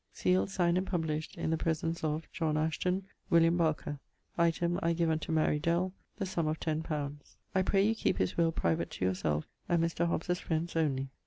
Sealed, signed and published in the presence of JOHN ASHTON, WILLᴹ. BARKER. Item I give unto Mary Dell the sum of ten pounds. I pray you keep his will private to your selfe and Mr. Hobbes's frends onely.